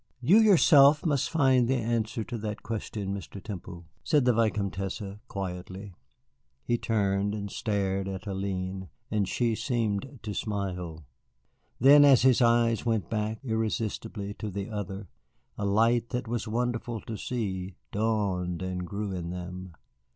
"You yourself must find the answer to that question, Mr. Temple," said the Vicomtesse, quietly. He turned and stared at Hélène, and she seemed to smile. Then as his eyes went back, irresistibly, to the other, a light that was wonderful to see dawned and grew in them.